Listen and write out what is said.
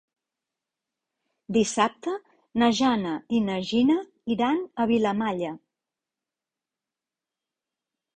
Dissabte na Jana i na Gina iran a Vilamalla.